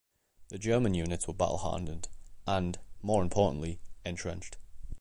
The German units were battle-hardened and, more importantly, entrenched.